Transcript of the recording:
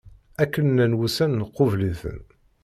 Akken llan wussan nqubel-iten.